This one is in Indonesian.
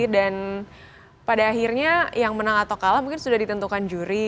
dan pada akhirnya yang menang atau kalah mungkin sudah ditentukan juri